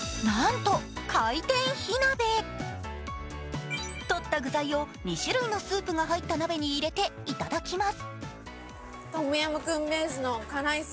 とった具材を２種類のスープが入った鍋に入れていただきます。